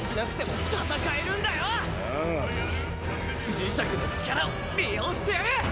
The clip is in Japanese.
磁石の力を利用してやる。